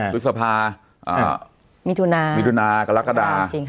ภูทสภามิตุณากรกฎา